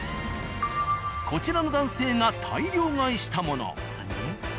こちらの男性が大量買いしたもの。